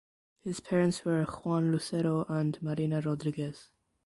His parents were Juan Lucero and Marina Rodriguez.